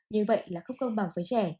như vậy là không công bằng với trẻ